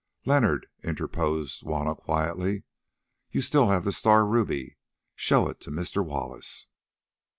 "Leonard," interposed Juanna quietly, "you still have the star ruby; show it to Mr. Wallace!"